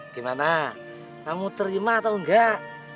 gimana kamu terima atau enggak